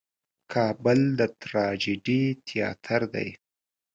کابل د ټراجېډي تیاتر دی.